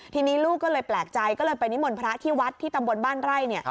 ทีนี้ลูกก็เลยแปลกใจก็เลยไปนิมนต์พระที่วัดที่ตำบลบ้านไร่